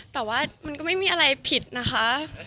แต่ว่ามันก็ไม่มีอะไรผิดนะคะ